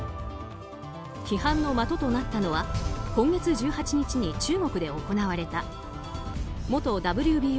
批判の的となったのは今月１８日に中国で行われた元ＷＢＯ